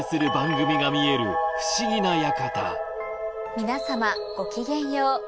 皆さまごきげんよう。